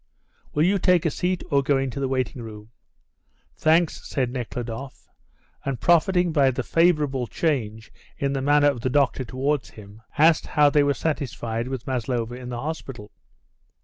"Will you take a seat, or go into the waiting room?" "Thanks," said Nekhludoff, and profiting by the favourable change in the manner of the doctor towards him asked how they were satisfied with Maslova in the hospital.